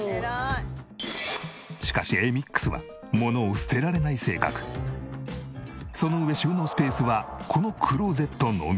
しかしえみっくすはその上収納スペースはこのクローゼットのみ。